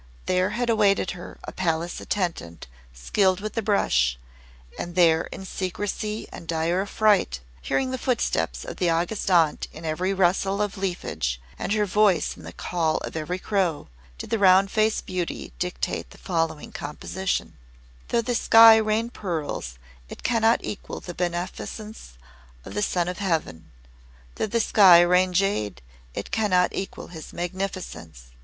There had awaited her a palace attendant skilled with the brush, and there in secrecy and dire affright, hearing the footsteps of the August Aunt in every rustle of leafage, and her voice in the call of every crow, did the Round Faced Beauty dictate the following composition: "Though the sky rain pearls, it cannot equal the beneficence of the Son of Heaven. Though the sky rain jade it cannot equal his magnificence.